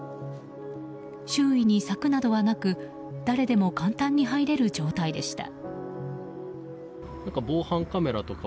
周囲に柵などはなく誰でも簡単に入れる状態でした。